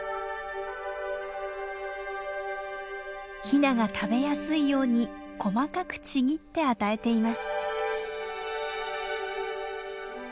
ヒナが食べやすいように細かくちぎって与えています。